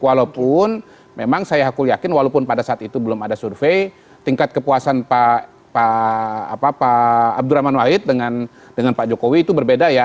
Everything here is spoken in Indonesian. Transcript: walaupun memang saya aku yakin walaupun pada saat itu belum ada survei tingkat kepuasan pak abdurrahman wahid dengan pak jokowi itu berbeda ya